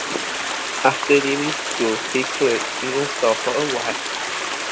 After leaving school, he clerked in a store for a while.